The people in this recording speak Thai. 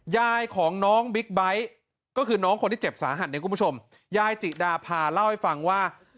ยายของน้องบิ๊กไบท์ก็คือน้องคนที่เจ็บสาหัสเนี่ยคุณผู้ชมยายจิดาพาเล่าให้ฟังว่า